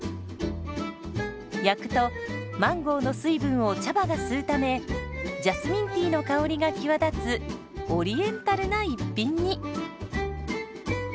焼くとマンゴーの水分を茶葉が吸うためジャスミンティーの香りが際立つオリエンタルな一品に。